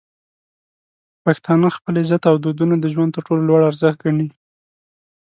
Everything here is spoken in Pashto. پښتانه خپل عزت او دودونه د ژوند تر ټولو لوړ ارزښت ګڼي.